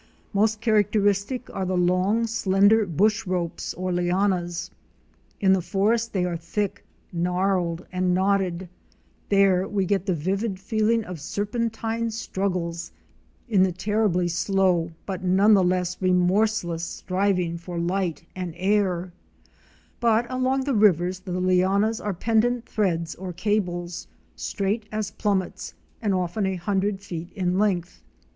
Most characteristic are the long, slender bush ropes or lianas. In the forest they are thick, gnarled and knotted; there we get the vivid feeling of serpentine struggles in the terribly slow but none the less remorseless striving for light and air, but along the rivers the lianas are pendent threads or cables — straight as plummets and often a hundred feet in length.